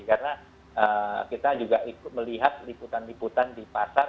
karena kita juga melihat liputan liputan di pasar